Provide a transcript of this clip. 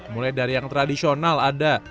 mulai dari yang tradisional ada